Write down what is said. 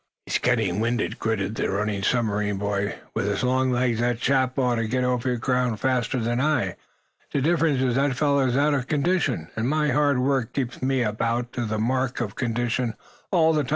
"He's getting winded," gritted the running submarine boy. "With his long legs that chap ought to get over ground faster than I. The difference is that that fellow is out of condition, and my hard work keeps me about up to the mark of condition all the time.